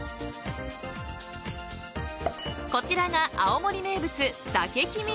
［こちらが青森名物］